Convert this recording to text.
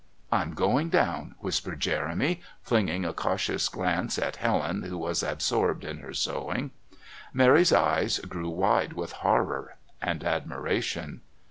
"I'm going down," whispered Jeremy, flinging a cautious glance at Helen who was absorbed in her sewing. Mary's eyes grew wide with horror and admiration.